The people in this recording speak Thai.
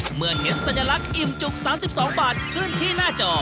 เมื่อเห็นสัญลักษณ์อิ่มจุก๓๒บาทขึ้นที่หน้าจอ